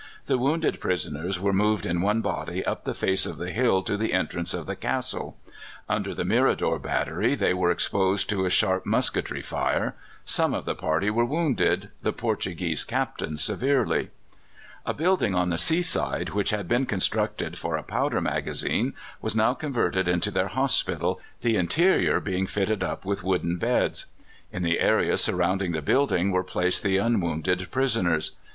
The wounded prisoners were moved in one body up the face of the hill to the entrance of the castle. Under the Mirador battery they were exposed to a sharp musketry fire. Some of the party were wounded, the Portuguese Captain severely. A building on the sea side, which had been constructed for a powder magazine, was now converted into their hospital, the interior being fitted up with wooden beds. In the area surrounding the building were placed the unwounded prisoners.